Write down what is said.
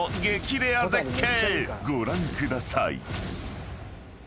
レア絶景ご覧ください］